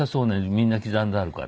みんな刻んであるから。